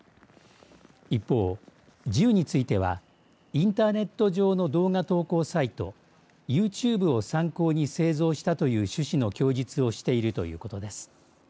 一方、銃についてはインターネット上の動画投稿サイト、ＹｏｕＴｕｂｅを参考に製造したという趣旨の供述をしているということです。